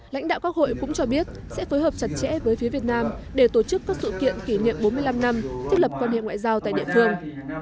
lãnh đạo các hội cũng cho biết sẽ phối hợp chặt chẽ với phía việt nam để tổ chức các sự kiện kỷ niệm bốn mươi năm năm thiết lập quan hệ ngoại giao tại địa phương